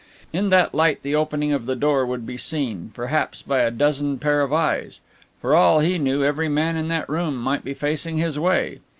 In that light the opening of the door would be seen, perhaps by a dozen pair of eyes. For all he knew every man in that room might be facing his way.